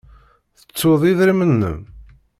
Tettud idrimen-nnem?